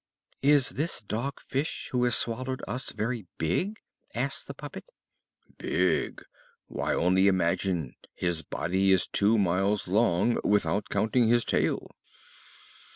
"Is this Dog Fish who has swallowed us very big?" asked the puppet. "Big! Why, only imagine, his body is two miles long without counting his tail."